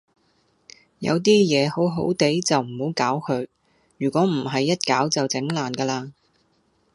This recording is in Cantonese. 有啲嘢好好地就唔好搞佢，如果唔係一搞就整爛㗎啦